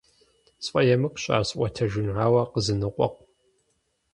СфӀэемыкӀущ ар сӀуэтэжыну, ауэ къызоныкъуэкъу.